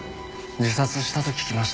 自殺したと聞きました。